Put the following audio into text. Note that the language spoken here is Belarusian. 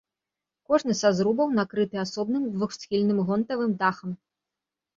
Кожны са зрубаў накрыты асобным двухсхільным гонтавым дахам.